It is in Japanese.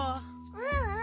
ううん。